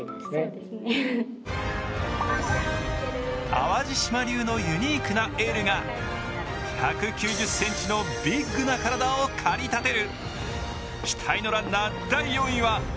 淡路島流のユニークなエールが１９０ｃｍのビッグな体を駆り立てる。